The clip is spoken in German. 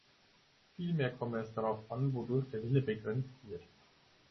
Vielmehr komme es darauf an, wodurch der Wille begrenzt wird.